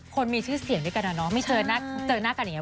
คนมีชื่อเสียงด้วยกันอะเนาะไม่เจอหน้ากันอย่างนี้